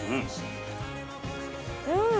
うん！